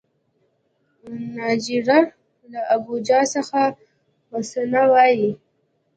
د نایجیریا له ابوجا څخه حسنه وايي